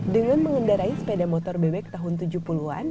dengan mengendarai sepeda motor bebek tahun tujuh puluh an